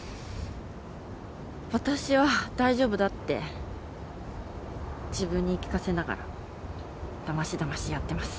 私は大丈夫だって自分に言い聞かせながらだましだましやってます。